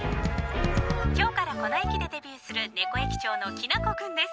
今日からこの駅でデビューする猫駅長のきなこ君です。